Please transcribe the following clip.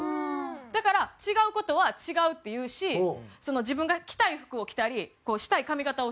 だから違う事は違うって言うし自分が着たい服を着たりしたい髪形をする。